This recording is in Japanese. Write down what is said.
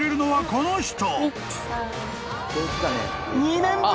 この人。